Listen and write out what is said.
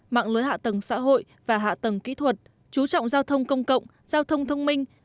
mạng lưới hạ tầng xã hội và hạ tầng kỹ thuật chú trọng giao thông công cộng giao thông thông minh